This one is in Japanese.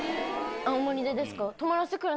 青森でですか？